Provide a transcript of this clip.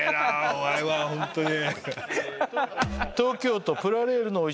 お前はホントに。